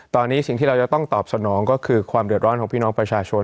ตอนนี้สิ่งที่เราจะต้องตอบสนองก็คือความเดือดร้อนของพี่น้องประชาชน